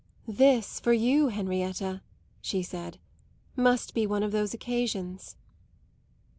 "This, for you, Henrietta," she said, "must be one of those occasions!"